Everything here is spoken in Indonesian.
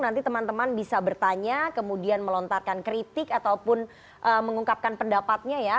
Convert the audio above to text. nanti teman teman bisa bertanya kemudian melontarkan kritik ataupun mengungkapkan pendapatnya ya